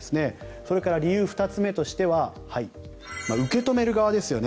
それから理由２つ目としては受け止める側ですよね。